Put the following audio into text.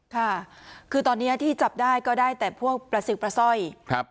ค่ะคือตอนนี้ที่จับได้ก็ได้แต่พวกประสิวปลาสร้อยครับ